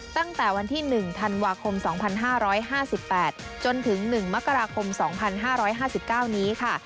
ตั้งแต่วันที่๑ธันวาคม๒๕๕๘จนถึง๑มกราคม๒๕๕๙นี้ค่ะ